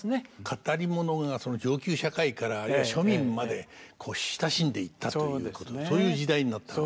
語り物が上級社会からあるいは庶民まで親しんでいったということそういう時代になったわけですか。